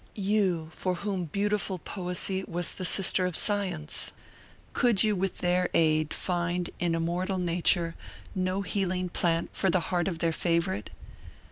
You, for whom beautiful poesy was the sister of science, could you with their aid find in immortal nature no healing plant for the heart of their favorite?